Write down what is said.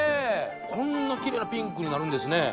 こんなキレイなピンクになるんですね。